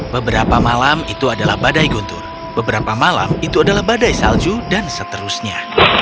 beberapa malam itu adalah badai guntur beberapa malam itu adalah badai salju dan seterusnya